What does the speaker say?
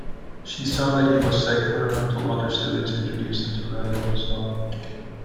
She saw that he was secular until other students introduced him to radical Islam.